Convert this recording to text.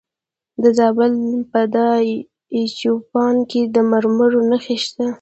د زابل په دایچوپان کې د مرمرو نښې شته.